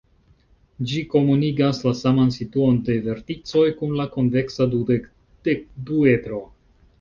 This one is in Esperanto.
Ĝi komunigas la saman situon de verticoj kun la konveksa dudek-dekduedro.